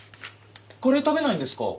カレー食べないんですか？